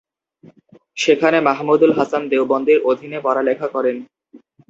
সেখানে মাহমুদুল হাসান দেওবন্দির অধিনে পড়ালেখা করেন।